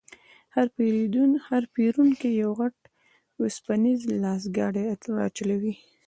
هر پېرونکی یو غټ وسپنیز لاسګاډی راچلوي.